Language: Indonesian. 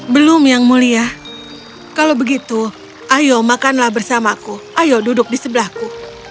belum yang mulia kalau begitu ayo makanlah bersamaku ayo duduk di sebelahku